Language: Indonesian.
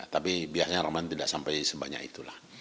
tapi biasanya roman tidak sampai sebanyak itulah